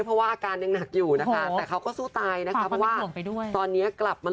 ยังไงพี่